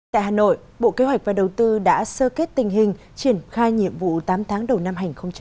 tại hà nội bộ kế hoạch và đầu tư đã sơ kết tình hình triển khai nhiệm vụ tám tháng đầu năm hai nghìn hai mươi